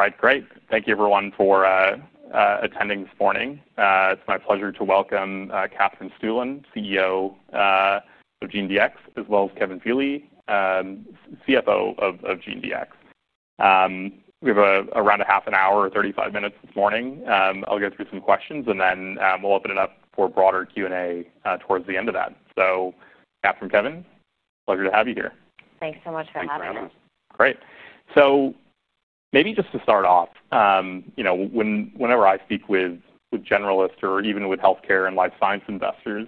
All right, great. Thank you, everyone, for attending this morning. It's my pleasure to welcome Katherine Stueland, CEO of GeneDx, as well as Kevin Feeley, CFO of GeneDx. We have around a half an hour or 35 minutes this morning. I'll go through some questions, and then we'll open it up for broader Q&A towards the end of that. Katherine, Kevin, pleasure to have you here. Thanks so much for having me. Great. Maybe just to start off, whenever I speak with generalists or even with health care and life science investors,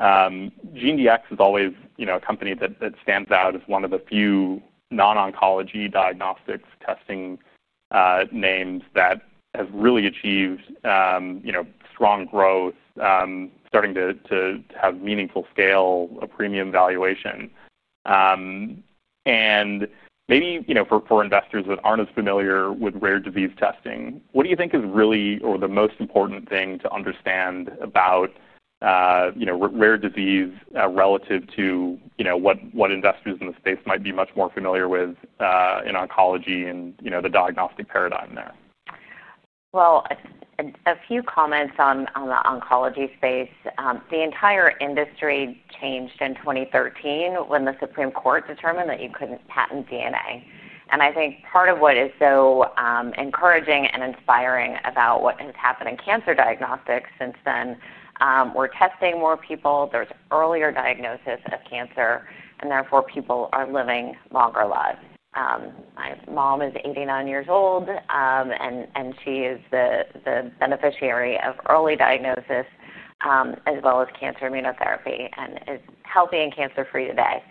GeneDx is always a company that stands out as one of the few non-oncology diagnostics testing names that has really achieved strong growth, starting to have meaningful scale, a premium valuation. Maybe for investors that aren't as familiar with rare disease testing, what do you think is really the most important thing to understand about rare disease, relative to what investors in the space might be much more familiar with in oncology and the diagnostic paradigm there? A few comments on the oncology space. The entire industry changed in 2013 when the Supreme Court determined that you couldn't patent DNA. I think part of what is so encouraging and inspiring about what has happened in cancer diagnostics since then is we're testing more people. There's earlier diagnosis of cancer, and therefore people are living longer lives. My mom is 89 years old, and she is the beneficiary of early diagnosis, as well as cancer immunotherapy, and is healthy and cancer-free today.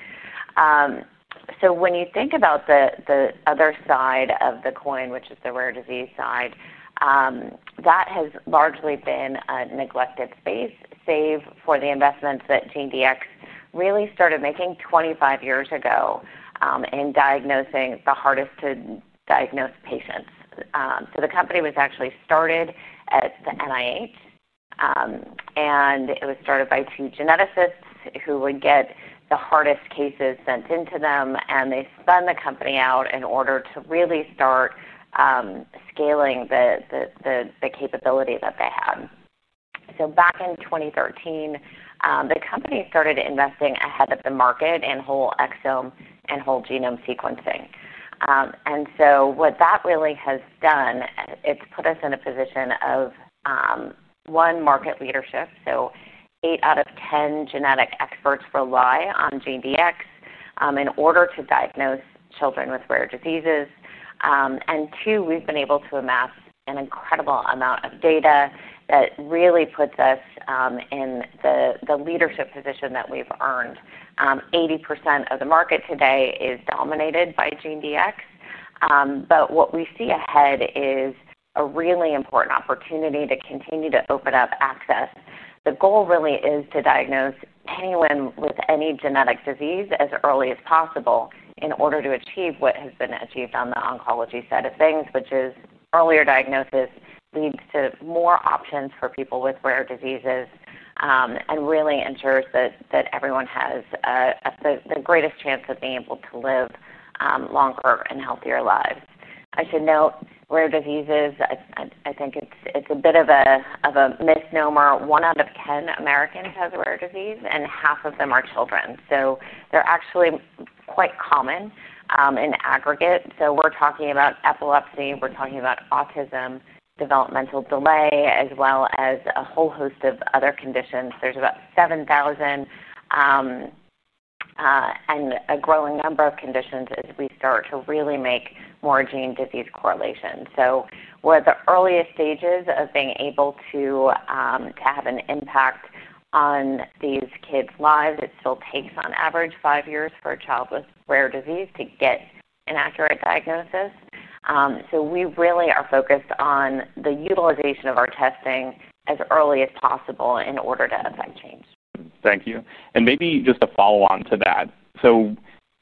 When you think about the other side of the coin, which is the rare disease side, that has largely been a neglected space, save for the investments that GeneDx really started making 25 years ago in diagnosing the hardest to diagnose patients. The company was actually started at the National Institutes of Health, and it was started by two geneticists who would get the hardest cases sent into them, and they spun the company out in order to really start scaling the capability that they had. Back in 2013, the company started investing ahead of the market in whole exome and whole genome sequencing. What that really has done is put us in a position of, one, market leadership. 8 out of 10 genetic experts rely on GeneDx in order to diagnose children with rare diseases. We've been able to amass an incredible amount of data that really puts us in the leadership position that we've earned. 80% of the market today is dominated by GeneDx. What we see ahead is a really important opportunity to continue to open up access. The goal really is to diagnose anyone with any genetic disease as early as possible in order to achieve what has been achieved on the oncology side of things, which is earlier diagnosis leads to more options for people with rare diseases, and really ensures that everyone has the greatest chance of being able to live longer and healthier lives. I should note, rare diseases, I think it's a bit of a misnomer. 1 out of 10 Americans has rare disease, and half of them are children. They're actually quite common, in aggregate. We're talking about epilepsy. We're talking about autism, developmental delay, as well as a whole host of other conditions. There's about 7,000, and a growing number of conditions as we start to really make more gene-disease correlations. We're at the earliest stages of being able to have an impact on these kids' lives. It still takes on average five years for a child with rare disease to get an accurate diagnosis. We really are focused on the utilization of our testing as early as possible in order to affect change. Thank you. Maybe just a follow-on to that.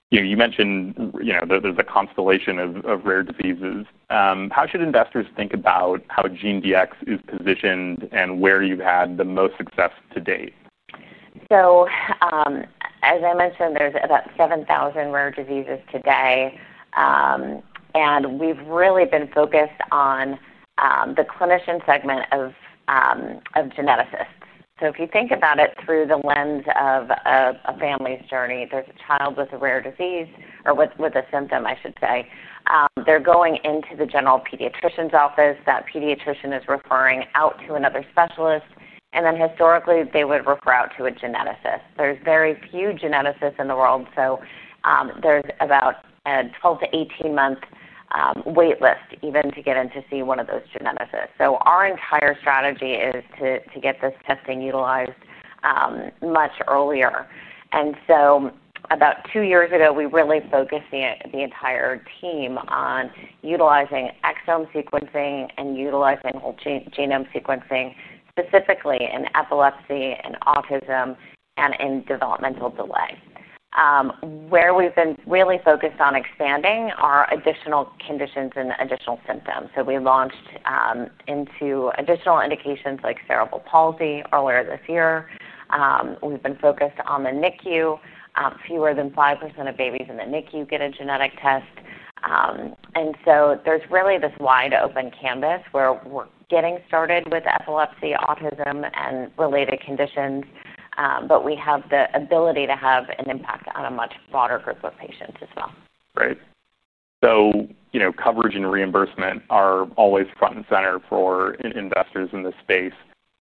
You mentioned that there's a constellation of rare diseases. How should investors think about how GeneDx is positioned and where you've had the most success to date? As I mentioned, there's about 7,000 rare diseases today, and we've really been focused on the clinician segment of geneticists. If you think about it through the lens of a family's journey, there's a child with a rare disease or with a symptom, I should say. They're going into the general pediatrician's office. That pediatrician is referring out to another specialist. Historically, they would refer out to a geneticist. There's very few geneticists in the world, so there's about a 12 to 18-month wait list even to get in to see one of those geneticists. Our entire strategy is to get this testing utilized much earlier. About two years ago, we really focused the entire team on utilizing exome sequencing and utilizing whole genome sequencing, specifically in epilepsy and autism and in developmental delay. Where we've been really focused on expanding are additional conditions and additional symptoms. We launched into additional indications like cerebral palsy earlier this year. We've been focused on the NICU. Fewer than 5% of babies in the NICU get a genetic test, and so there's really this wide open canvas where we're getting started with epilepsy, autism, and related conditions, but we have the ability to have an impact on a much broader group of patients as well. Right. Coverage and reimbursement are always front and center for investors in this space.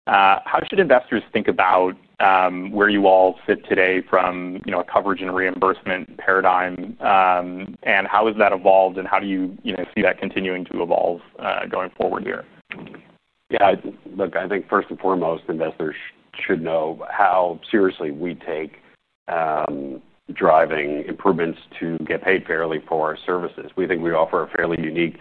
How should investors think about where you all sit today from a coverage and reimbursement paradigm? How has that evolved, and how do you see that continuing to evolve going forward here? Yeah. Look, I think first and foremost, investors should know how seriously we take driving improvements to get paid fairly for our services. We think we offer a fairly unique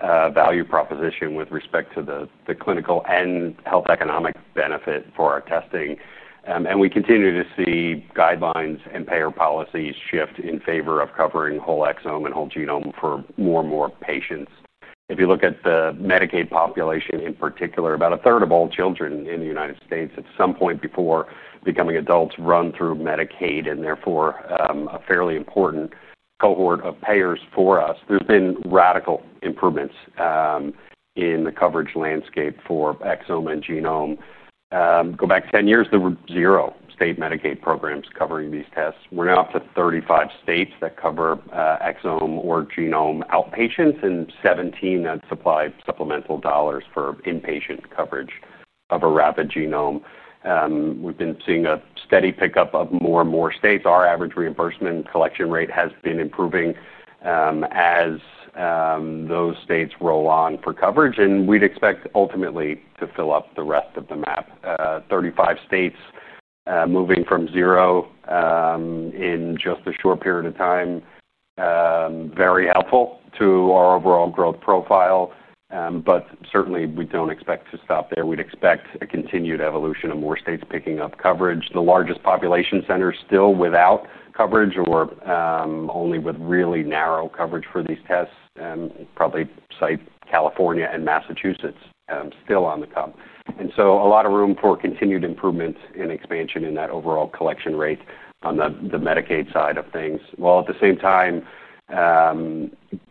value proposition with respect to the clinical and health economic benefit for our testing, and we continue to see guidelines and payer policies shift in favor of covering whole exome and whole genome for more and more patients. If you look at the Medicaid population in particular, about a third of all children in the United States at some point before becoming adults run through Medicaid, and therefore, a fairly important cohort of payers for us. There have been radical improvements in the coverage landscape for exome and genome. Go back 10 years, there were zero state Medicaid programs covering these tests. We're now up to 35 states that cover exome or genome outpatients and 17 that supply supplemental dollars for inpatient coverage of a rapid genome. We've been seeing a steady pickup of more and more states. Our average reimbursement collection rate has been improving as those states roll on for coverage, and we'd expect ultimately to fill up the rest of the map. Thirty-five states, moving from zero in just a short period of time, is very helpful to our overall growth profile. Certainly, we don't expect to stop there. We'd expect a continued evolution of more states picking up coverage. The largest population centers still without coverage, or only with really narrow coverage for these tests, probably cite California and Massachusetts, still on the come. There is a lot of room for continued improvement and expansion in that overall collection rate on the Medicaid side of things. At the same time,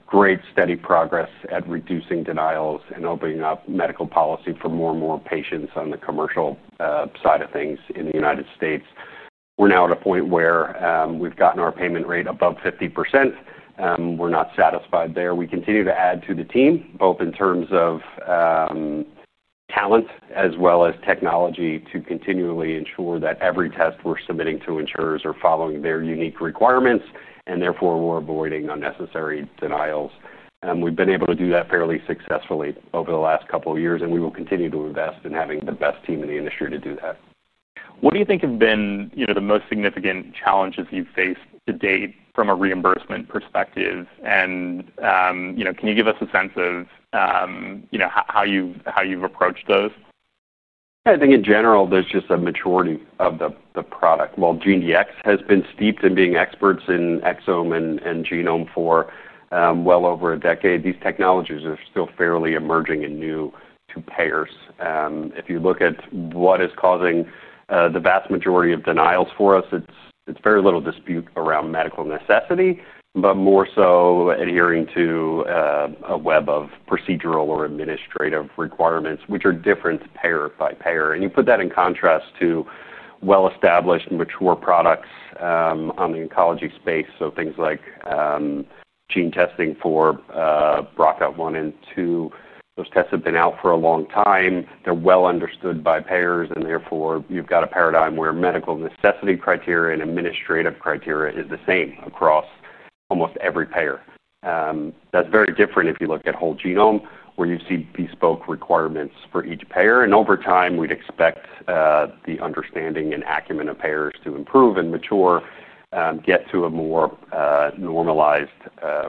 great steady progress at reducing denials and opening up medical policy for more and more patients on the commercial side of things in the United States. We're now at a point where we've gotten our payment rate above 50%. We're not satisfied there. We continue to add to the team, both in terms of talent as well as technology, to continually ensure that every test we're submitting to insurers is following their unique requirements, and therefore, we're avoiding unnecessary denials. We've been able to do that fairly successfully over the last couple of years, and we will continue to invest in having the best team in the industry to do that. What do you think have been the most significant challenges you've faced to date from a reimbursement perspective? Can you give us a sense of how you've approached those? Yeah. I think in general, there's just a maturity of the product. While GeneDx has been steeped in being experts in exome and genome for well over a decade, these technologies are still fairly emerging and new to payers. If you look at what is causing the vast majority of denials for us, it's very little dispute around medical necessity, but more so adhering to a web of procedural or administrative requirements, which are different payer by payer. You put that in contrast to well-established mature products in the oncology space. Things like gene testing for BRCA1 and 2, those tests have been out for a long time. They're well understood by payers, and therefore, you've got a paradigm where medical necessity criteria and administrative criteria is the same across almost every payer. That's very different if you look at whole genome, where you see bespoke requirements for each payer. Over time, we'd expect the understanding and acumen of payers to improve and mature, get to a more normalized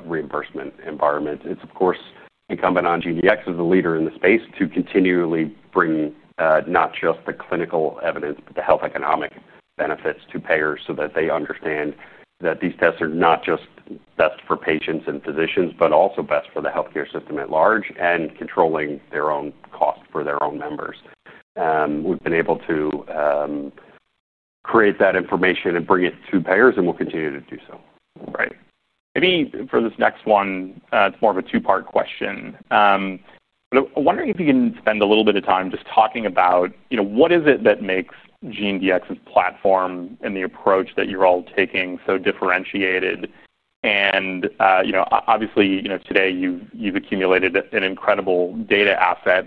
reimbursement environment. It's, of course, incumbent on GeneDx as the leader in the space to continually bring not just the clinical evidence, but the health economic benefits to payers so that they understand that these tests are not just best for patients and physicians, but also best for the health care system at large and controlling their own cost for their own members. We've been able to create that information and bring it to payers, and we'll continue to do so. Right. Maybe for this next one, it's more of a two-part question. I'm wondering if you can spend a little bit of time just talking about what is it that makes GeneDx's platform and the approach that you're all taking so differentiated? Obviously, today you've accumulated an incredible data asset.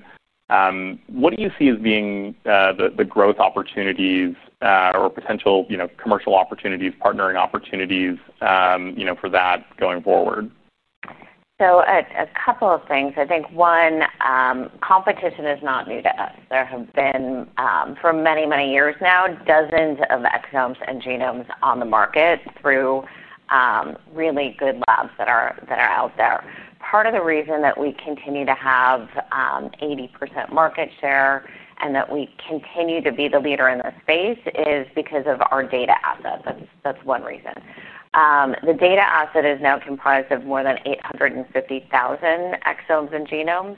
What do you see as being the growth opportunities or potential commercial opportunities, partnering opportunities for that going forward? A couple of things. I think one, competition is not new to us. There have been, for many, many years now, dozens of exomes and genomes on the market through really good labs that are out there. Part of the reason that we continue to have 80% market share and that we continue to be the leader in the space is because of our data asset. That's one reason. The data asset is now comprised of more than 850,000 exomes and genomes,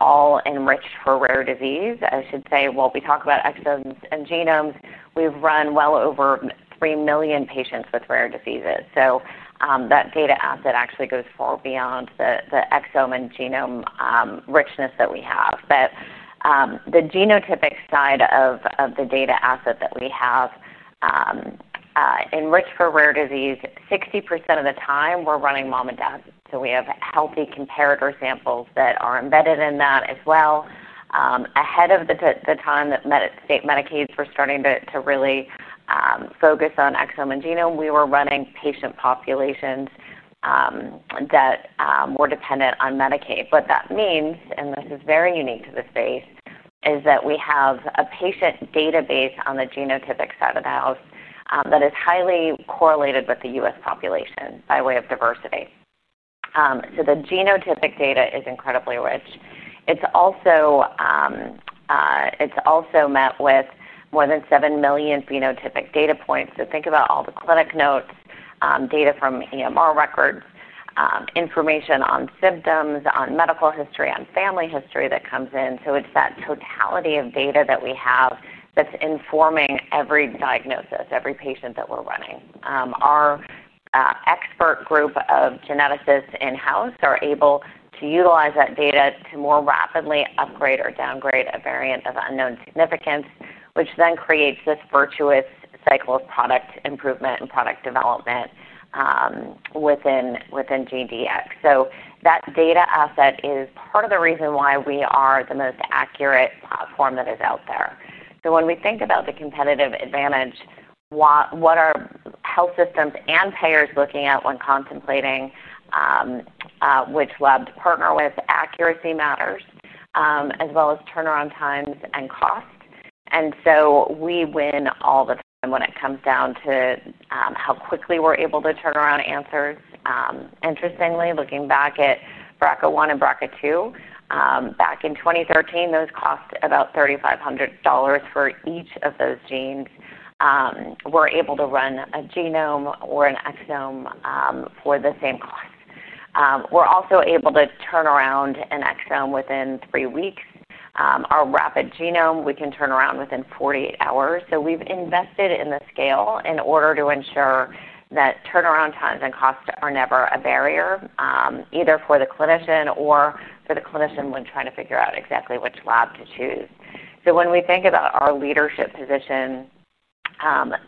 all enriched for rare disease. I should say, while we talk about exomes and genomes, we've run well over 3 million patients with rare diseases. That data asset actually goes far beyond the exome and genome richness that we have. The genotypic side of the data asset that we have, enriched for rare disease, 60% of the time, we're running mom and dad. We have healthy comparator samples that are embedded in that as well. Ahead of the time that Medicaid's first starting to really focus on exome and genome, we were running patient populations that were dependent on Medicaid. What that means, and this is very unique to the space, is that we have a patient database on the genotypic side of the house that is highly correlated with the U.S. population by way of diversity. The genotypic data is incredibly rich. It's also met with more than 7 million phenotypic data points. Think about all the clinic notes, data from EMR records, information on symptoms, on medical history, on family history that comes in. It's that totality of data that we have that's informing every diagnosis, every patient that we're running. Our expert group of geneticists in-house are able to utilize that data to more rapidly upgrade or downgrade a variant of unknown significance, which then creates this virtuous cycle of product improvement and product development within GeneDx. That data asset is part of the reason why we are the most accurate platform that is out there. When we think about the competitive advantage, what are health systems and payers looking at when contemplating which lab to partner with? Accuracy matters, as well as turnaround times and cost. We win all the time when it comes down to how quickly we're able to turn around answers. Interestingly, looking back at BRCA1 and BRCA2, back in 2013, those cost about $3,500 for each of those genes. We were able to run a genome or an exome for the same cost. We're also able to turn around an exome within three weeks. Our rapid genome, we can turn around within 48 hours. We've invested in the scale in order to ensure that turnaround times and costs are never a barrier, either for the clinician or for the clinician when trying to figure out exactly which lab to choose. When we think about our leadership position,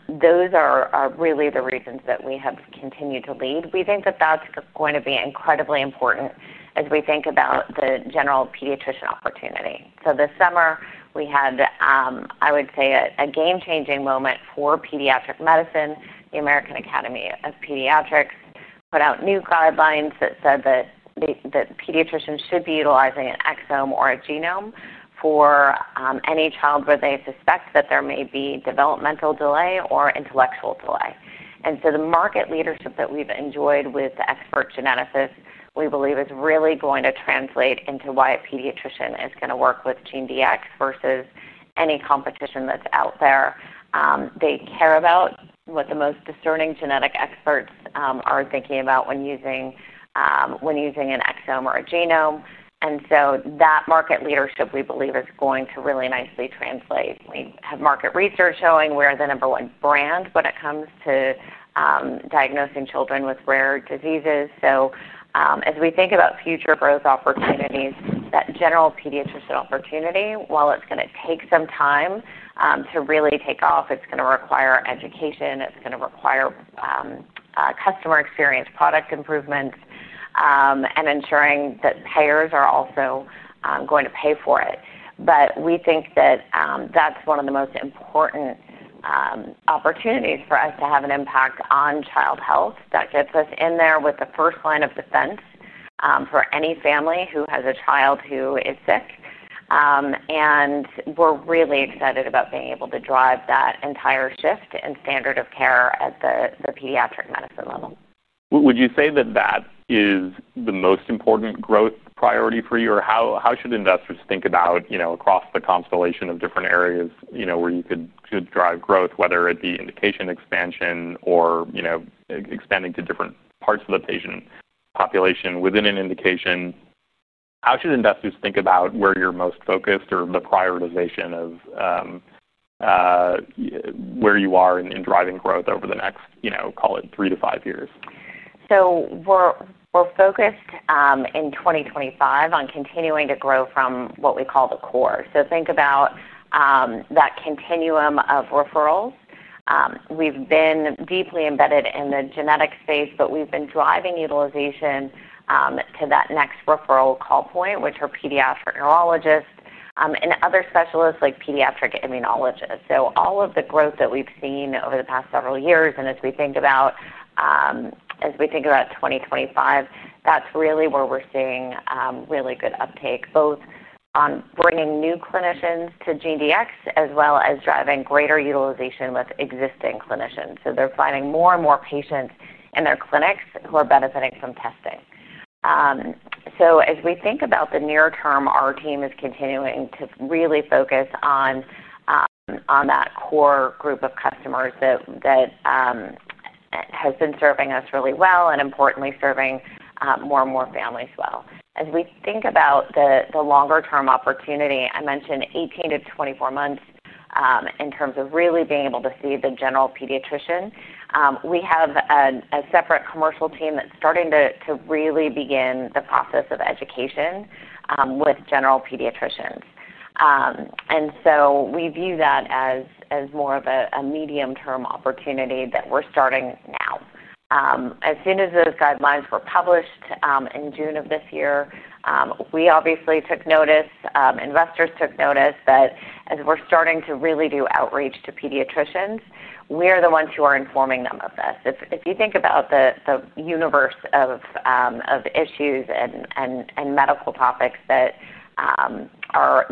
those are really the reasons that we have continued to lead. We think that that's going to be incredibly important as we think about the general pediatrician opportunity. This summer, we had, I would say, a game-changing moment for pediatric medicine. The American Academy of Pediatrics put out new guidelines that said that the pediatrician should be utilizing an exome or a genome for any child where they suspect that there may be developmental delay or intellectual delay. The market leadership that we've enjoyed with the expert geneticists, we believe, is really going to translate into why a pediatrician is going to work with GeneDx versus any competition that's out there. They care about what the most discerning genetic experts are thinking about when using an exome or a genome. That market leadership, we believe, is going to really nicely translate. We have market research showing we're the number one brand when it comes to diagnosing children with rare diseases. As we think about future growth opportunities, that general pediatrician opportunity, while it's going to take some time to really take off, it's going to require education. It's going to require customer experience, product improvements, and ensuring that payers are also going to pay for it. We think that that's one of the most important opportunities for us to have an impact on child health. That gets us in there with the first line of defense for any family who has a child who is sick. We're really excited about being able to drive that entire shift in standard of care at the pediatric medicine level. Would you say that that is the most important growth priority for you? How should investors think about, across the constellation of different areas where you could drive growth, whether it be indication expansion or expanding to different parts of the patient population within an indication? How should investors think about where you're most focused or the prioritization of where you are in driving growth over the next, call it, three to five years? We're focused, in 2025, on continuing to grow from what we call the core. Think about that continuum of referrals. We've been deeply embedded in the genetic space, but we've been driving utilization to that next referral call point, which are pediatric neurologists and other specialists like pediatric immunologists. All of the growth that we've seen over the past several years, and as we think about 2025, that's really where we're seeing really good uptake, both on bringing new clinicians to GeneDx as well as driving greater utilization with existing clinicians. They're finding more and more patients in their clinics who are benefiting from testing. As we think about the near term, our team is continuing to really focus on that core group of customers that has been serving us really well and, importantly, serving more and more families well. As we think about the longer-term opportunity, I mentioned 18 to 24 months in terms of really being able to see the general pediatrician. We have a separate commercial team that's starting to really begin the process of education with general pediatricians, and we view that as more of a medium-term opportunity that we're starting now. As soon as those guidelines were published in June of this year, we obviously took notice. Investors took notice that as we're starting to really do outreach to pediatricians, we are the ones who are informing them of this. If you think about the universe of issues and medical topics that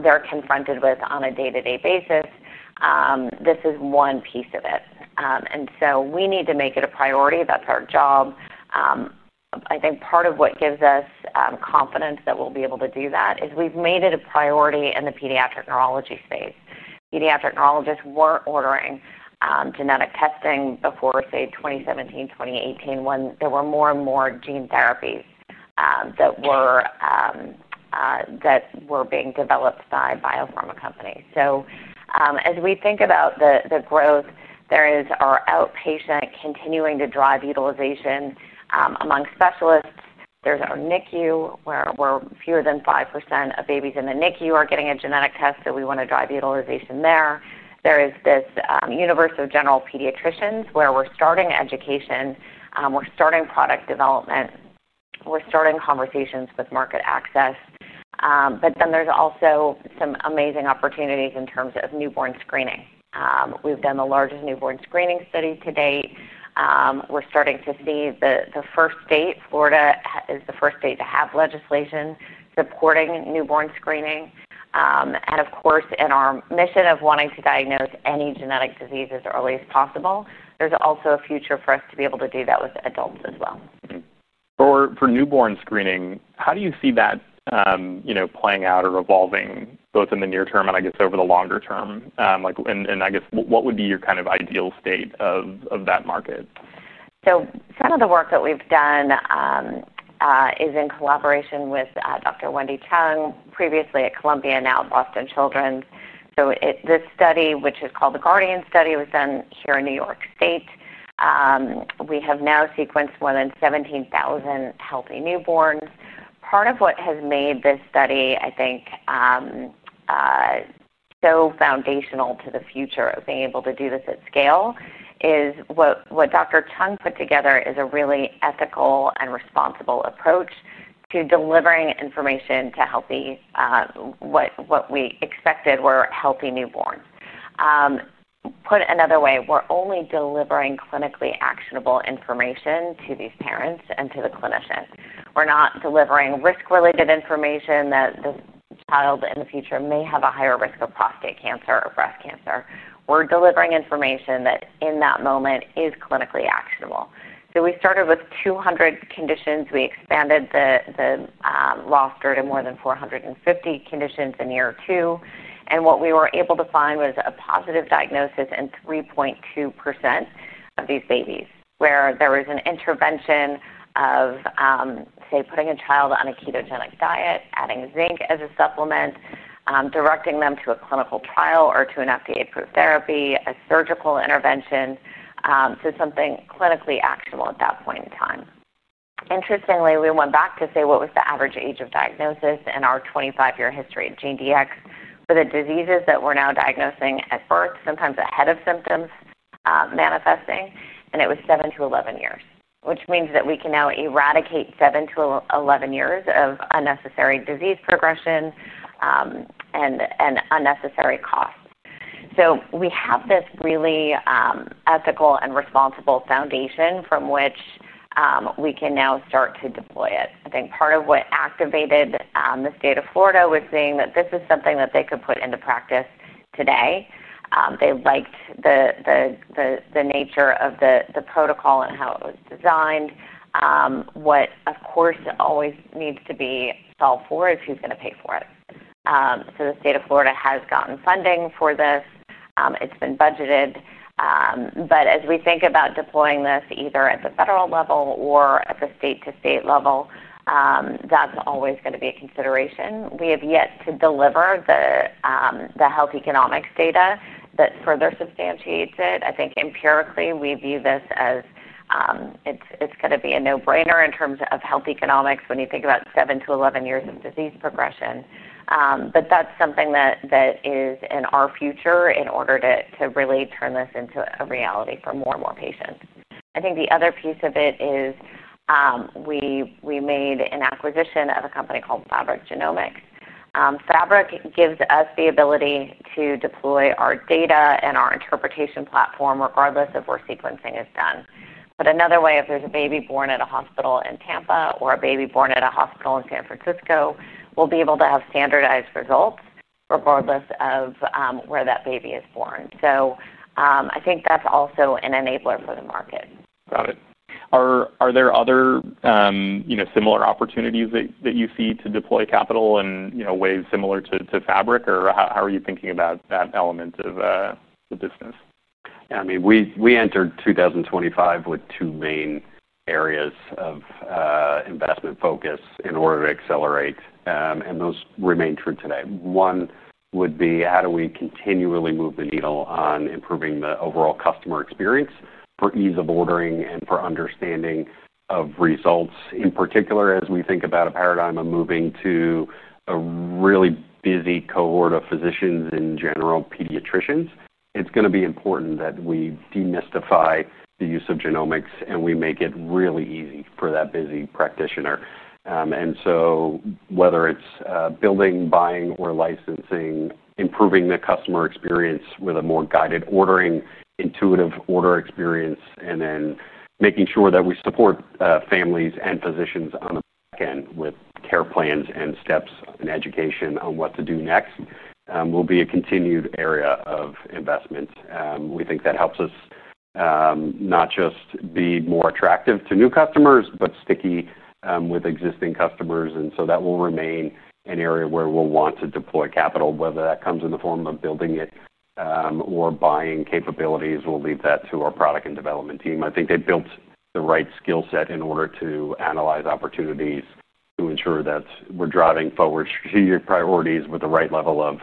they're confronted with on a day-to-day basis, this is one piece of it, and we need to make it a priority. That's our job. I think part of what gives us confidence that we'll be able to do that is we've made it a priority in the pediatric neurology space. Pediatric neurologists weren't ordering genetic testing before, say, 2017, 2018, when there were more and more gene therapies that were being developed by biopharma companies. As we think about the growth, there is our outpatient continuing to drive utilization among specialists. There's our NICU where fewer than 5% of babies in the NICU are getting a genetic test. We want to drive utilization there. There is this universe of general pediatricians where we're starting education, we're starting product development, we're starting conversations with market access, but then there's also some amazing opportunities in terms of newborn screening. We've done the largest newborn screening study to date. We're starting to be the first state. Florida is the first state to have legislation supporting newborn screening, and of course, in our mission of wanting to diagnose any genetic disease as early as possible, there's also a future for us to be able to do that with adults as well. For newborn screening, how do you see that, you know, playing out or evolving both in the near term and I guess over the longer term? Like, and I guess what would be your kind of ideal state of that market? Some of the work that we've done is in collaboration with Dr. Wendy Chung, previously at Columbia, now at Boston Children's. This study, which is called the Guardian Study, was done here in New York State. We have now sequenced more than 17,000 healthy newborns. Part of what has made this study, I think, so foundational to the future of being able to do this at scale is what Dr. Chung put together is a really ethical and responsible approach to delivering information to what we expected were healthy newborns. Put another way, we're only delivering clinically actionable information to these parents and to the clinician. We're not delivering risk-related information that the child in the future may have a higher risk of prostate cancer or breast cancer. We're delivering information that in that moment is clinically actionable. We started with 200 conditions. We expanded the roster to more than 450 conditions in year two. What we were able to find was a positive diagnosis in 3.2% of these babies where there was an intervention of, say, putting a child on a ketogenic diet, adding zinc as a supplement, directing them to a clinical trial or to an FDA-approved therapy, a surgical intervention—so something clinically actionable at that point in time. Interestingly, we went back to say what was the average age of diagnosis in our 25-year history at GeneDx for the diseases that we're now diagnosing at birth, sometimes ahead of symptoms manifesting, and it was 7 to 11 years, which means that we can now eradicate 7 to 11 years of unnecessary disease progression and unnecessary cost. We have this really ethical and responsible foundation from which we can now start to deploy it. I think part of what activated the state of Florida was seeing that this is something that they could put into practice today. They liked the nature of the protocol and how it was designed. What, of course, always needs to be solved for is who's going to pay for it. The state of Florida has gotten funding for this. It's been budgeted. As we think about deploying this either at the federal level or at the state-to-state level, that's always going to be a consideration. We have yet to deliver the health economics data that further substantiates it. I think empirically, we view this as it's going to be a no-brainer in terms of health economics when you think about 7 to 11 years of disease progression. That's something that is in our future in order to really turn this into a reality for more and more patients. I think the other piece of it is, we made an acquisition of a company called Fabric Genomics. Fabric gives us the ability to deploy our data and our interpretation platform regardless of where sequencing is done. In another way, if there's a baby born at a hospital in Tampa or a baby born at a hospital in San Francisco, we'll be able to have standardized results regardless of where that baby is born. I think that's also an enabler for the market. Got it. Are there other similar opportunities that you see to deploy capital in ways similar to Fabric, or how are you thinking about that element of the business? Yeah. I mean, we entered 2025 with two main areas of investment focus in order to accelerate, and those remain true today. One would be how do we continually move the needle on improving the overall customer experience for ease of ordering and for understanding of results. In particular, as we think about a paradigm of moving to a really busy cohort of physicians and general pediatricians, it's going to be important that we demystify the use of genomics and we make it really easy for that busy practitioner. Whether it's building, buying, or licensing, improving the customer experience with a more guided ordering, intuitive order experience, and then making sure that we support families and physicians on the end with care plans and steps and education on what to do next will be a continued area of investment. We think that helps us not just be more attractive to new customers, but sticky with existing customers. That will remain an area where we'll want to deploy capital, whether that comes in the form of building it or buying capabilities. We'll leave that to our product and development team. I think they built the right skill set in order to analyze opportunities to ensure that we're driving forward strategic priorities with the right level of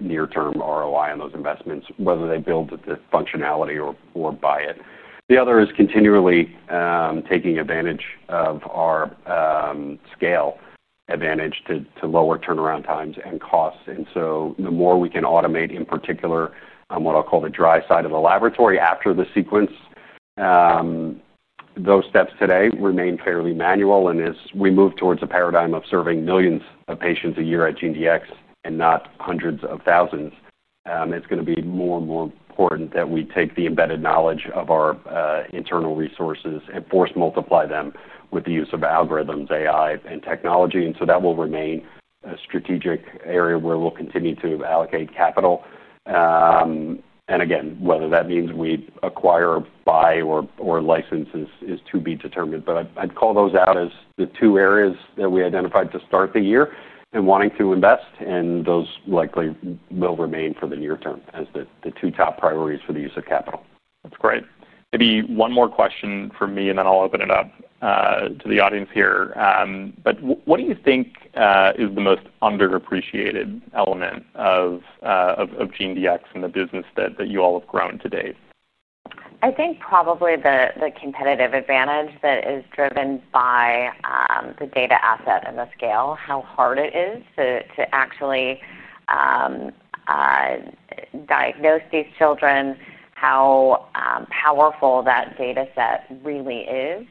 near-term ROI on those investments, whether they build the functionality or buy it. The other is continually taking advantage of our scale advantage to lower turnaround times and costs. The more we can automate, in particular, on what I'll call the dry side of the laboratory after the sequence, those steps today remain fairly manual. As we move towards a paradigm of serving millions of patients a year at GeneDx and not hundreds of thousands, it's going to be more and more important that we take the embedded knowledge of our internal resources and force multiply them with the use of algorithms, AI, and technology. That will remain a strategic area where we'll continue to allocate capital. Again, whether that means we acquire, buy, or license is to be determined. I'd call those out as the two areas that we identified to start the year and wanting to invest, and those likely will remain for the near term as the two top priorities for the use of capital. That's great. Maybe one more question for me, and then I'll open it up to the audience here. What do you think is the most underappreciated element of GeneDx in the business that you all have grown to date? I think probably the competitive advantage that is driven by the data asset and the scale, how hard it is to actually diagnose these children, how powerful that data set really is,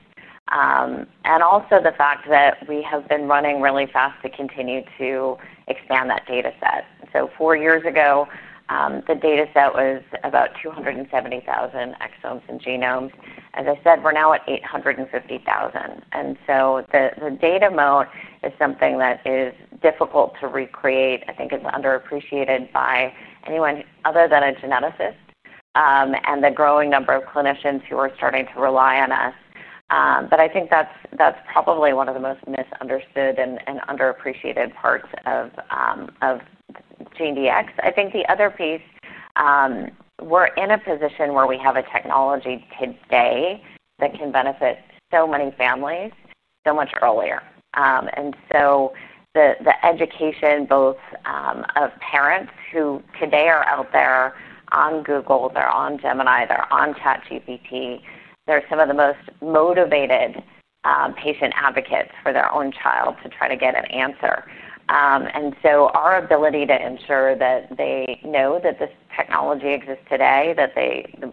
and also the fact that we have been running really fast to continue to expand that data set. Four years ago, the data set was about 270,000 exomes and genomes. As I said, we're now at 850,000. The data moat is something that is difficult to recreate. I think it's underappreciated by anyone other than a geneticist, and the growing number of clinicians who are starting to rely on us. I think that's probably one of the most misunderstood and underappreciated parts of GeneDx. I think the other piece, we're in a position where we have a technology today that can benefit so many families so much earlier. The education both of parents who today are out there on Google, they're on Gemini, they're on ChatGPT, they're some of the most motivated patient advocates for their own child to try to get an answer. Our ability to ensure that they know that this technology exists today, that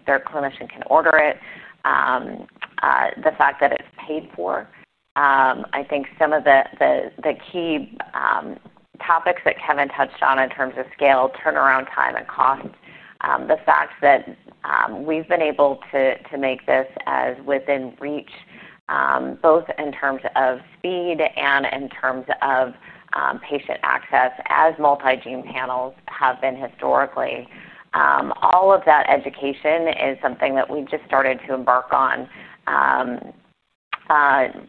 their clinician can order it, the fact that it's paid for, I think some of the key topics that Kevin touched on in terms of scale, turnaround time, and cost. The fact that we've been able to make this as within reach, both in terms of speed and in terms of patient access as multi-gene panels have been historically. All of that education is something that we just started to embark on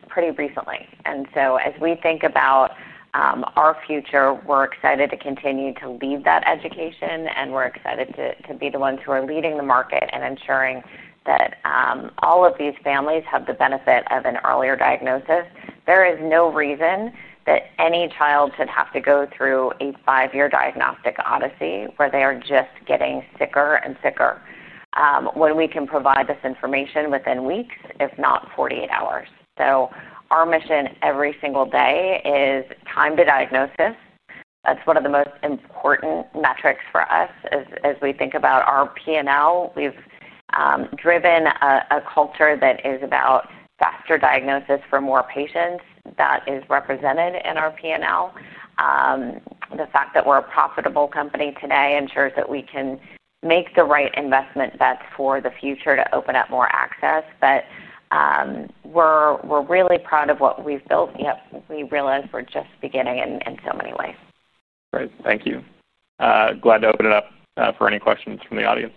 pretty recently. As we think about our future, we're excited to continue to lead that education, and we're excited to be the ones who are leading the market and ensuring that all of these families have the benefit of an earlier diagnosis. There is no reason that any child should have to go through a five-year diagnostic odyssey where they are just getting sicker and sicker, when we can provide this information within weeks, if not 48 hours. Our mission every single day is time to diagnosis. That's one of the most important metrics for us. As we think about our P&L, we've driven a culture that is about faster diagnosis for more patients. That is represented in our P&L. The fact that we're a profitable company today ensures that we can make the right investment bets for the future to open up more access. We're really proud of what we've built. Yep. We realize we're just beginning in so many ways. Great. Thank you. Glad to open it up for any questions from the audience.